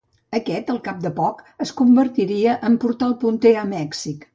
Aquest, al cap de poc, es convertiria en portal punter a Mèxic.